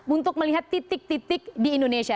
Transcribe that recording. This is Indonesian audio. untuk melihat titik titik di indonesia